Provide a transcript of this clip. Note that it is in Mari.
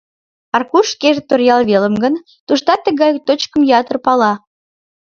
Аркуш шкеже Торъял велым гын, туштат тыгай точкым ятыр пала.